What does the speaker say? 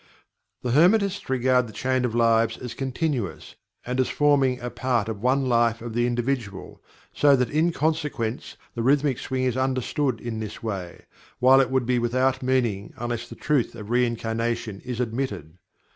The Hermetists regard the chain of lives as continuous, and as forming a part of one life of the individual, so that in consequence the rhythmic swing is understood in this way, while it would be without meaning unless the truth of reincarnation is admitted.